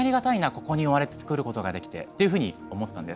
ここに生まれてくることができてっていうふうに思ったんです。